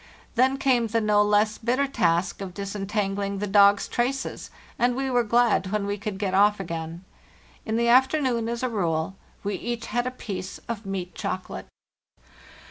Then came the no less bitter task of disentangling the dogs' traces, and we were glad when we could get off again. In the afternoon, as a rule, we each had a piece of meat chocolate.